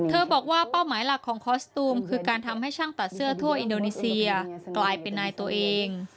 บอกว่าเป้าหมายหลักของคอสตูมคือการทำให้ช่างตัดเสื้อทั่วอินโดนีเซียกลายเป็นนายตัวเอง